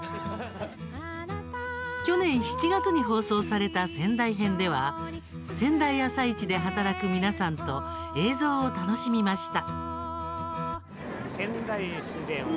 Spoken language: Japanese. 去年７月に放送された仙台編では仙台朝市で働く皆さんと映像を楽しみました。